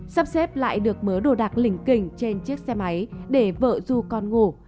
sắp xếp lại được mớ đồ đạc lình kình trên chiếc xe máy để vợ du con ngủ